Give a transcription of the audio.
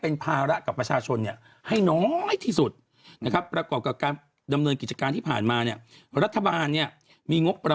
น่าจะเหลือสัก๔บาท๒๕สตางค์